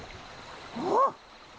あっ！